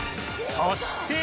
そして